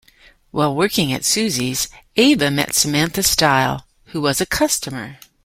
While working at Suzy's, Ava met Samantha Style, who was a customer.